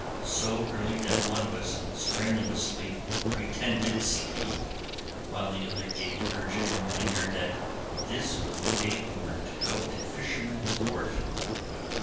So early that one of us strenuously pretended sleep while the other gave urgent reminder that this was the day we were to go to Fishermen's Wharf.